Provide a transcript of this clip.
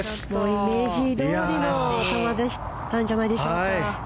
イメージどおりの球だったんじゃないでしょうか。